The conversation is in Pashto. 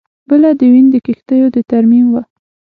بله د وین د کښتیو د ترمیم وه